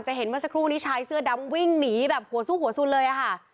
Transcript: เห็นเมื่อสักครู่นี้ชายเสื้อดำวิ่งหนีแบบหัวสู้หัวสุนเลยอะค่ะ